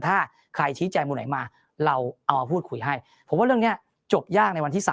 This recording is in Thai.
ถ้าใครชี้แจงมุมไหนมาเราเอามาพูดคุยให้ผมว่าเรื่องนี้จบยากในวันที่๓